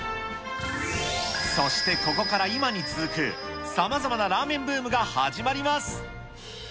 そしてここから今に続く、さまざまなラーメンブームが始まります。